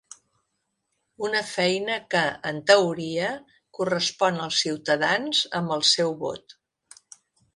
Una feina que, en teoria, correspon als ciutadans amb el seu vot.